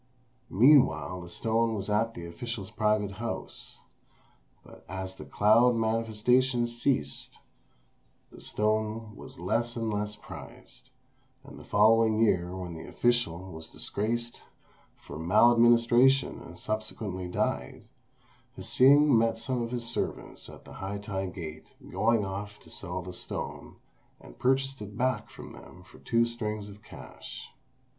Meanwhile the stone was at the official's private house; but as the cloud manifestations ceased, the stone was less and less prized; and the following year when the official was disgraced for maladministration and subsequently died, Hsing met some of his servants at the Hai tai Gate going off to sell the stone, and purchased it back from them for two strings of cash.